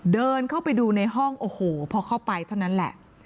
เดินเข้าไปดูในห้องโอ้โหพอเข้าไปเท่านั้นแหละ